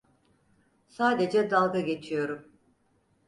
Sadece dalga geçiyorum.